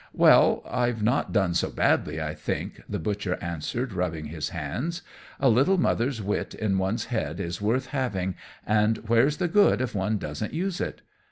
"Well, I've not done so badly, I think," the Butcher answered, rubbing his hands. "A little mother's wit in one's head is worth having, and where's the good if one doesn't use it?